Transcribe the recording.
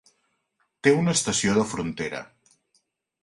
Té una estació de frontera.